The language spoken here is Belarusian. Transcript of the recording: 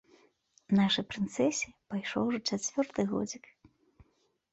Нашай прынцэсе пайшоў ужо чацвёрты годзік.